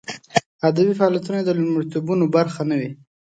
ادبي فعالیتونه یې د لومړیتوبونو برخه نه وي.